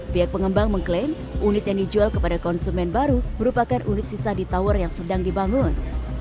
pihak pengembang mengklaim unit yang dijual kepada konsumen baru merupakan unit sisa di tower yang sedang dibangun